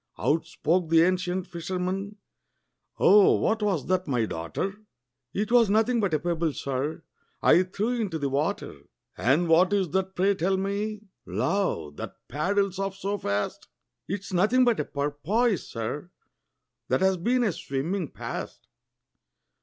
Out spoke the ancient fisherman, "Oh, what was that, my daughter?" "'T was nothing but a pebble, sir, I threw into the water." "And what is that, pray tell me, love, that paddles off so fast?" "It's nothing but a porpoise, sir, that 's been a swimming past."